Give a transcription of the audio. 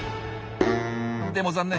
でも残念。